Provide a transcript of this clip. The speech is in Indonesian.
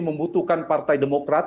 membutuhkan partai demokrat